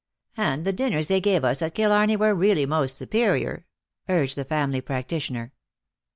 " And the dinners they gave us at Killarney were really most superior," urged the family prac titioner.